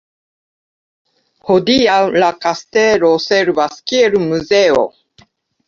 Hodiaŭ la Kastelo servas kiel muzeo.